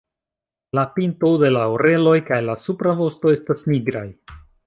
La pinto de la oreloj kaj la supra vosto estas nigraj.